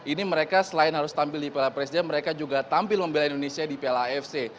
ini mereka selain harus tampil di piala presiden mereka juga tampil membela indonesia di piala afc